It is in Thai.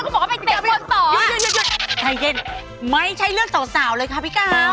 นักผู้หญิงไปกินข้าวเหรอ